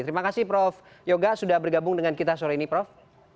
terima kasih prof yoga sudah bergabung dengan kita sore ini prof